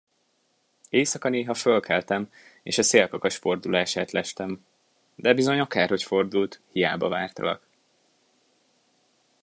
Éjszaka néha fölkeltem, és a szélkakas fordulását lestem; de bizony akárhogy fordult, hiába vártalak.